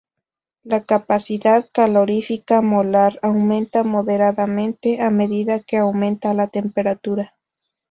La capacidad calorífica molar aumenta moderadamente a medida que aumenta la temperatura.